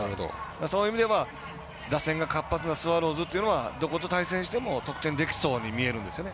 そういう意味では打線が活発なスワローズというのはどこと対戦しても得点できそう思うんですよね。